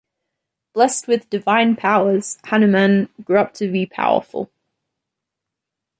Blessed with divine powers Hanuman grew up to be powerful.